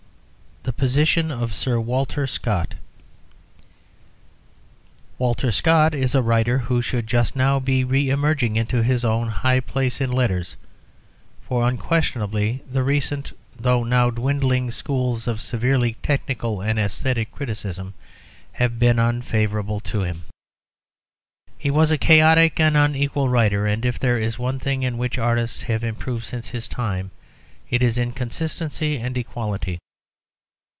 THE POSITION OF SIR WALTER SCOTT Walter Scott is a writer who should just now be re emerging into his own high place in letters, for unquestionably the recent, though now dwindling, schools of severely technical and æsthetic criticism have been unfavourable to him. He was a chaotic and unequal writer, and if there is one thing in which artists have improved since his time, it is in consistency and equality.